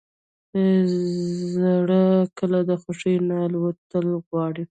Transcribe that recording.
زړه کله د خوښۍ نه الوتل غواړي.